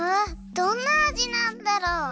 どんなあじなんだろう？